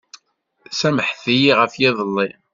Samḥemt-iyi ɣef yiḍelli.